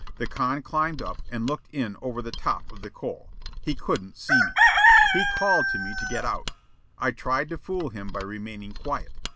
The con climbed up and looked in over the top of the coal. He couldn't see me. He called to me to get out. I tried to fool him by remaining quiet.